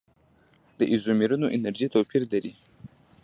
د ایزومرونو انرژي توپیر لري.